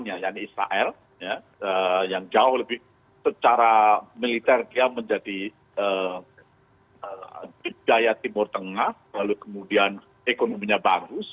yaitu israel yang jauh lebih secara militer dia menjadi budaya timur tengah lalu kemudian ekonominya bagus